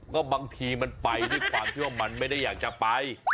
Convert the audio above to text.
ก็บางทีมันไปด้วยความที่ว่ามันไม่ได้อยากจะไป